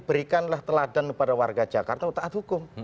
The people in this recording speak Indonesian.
berikanlah teladan kepada warga jakarta taat hukum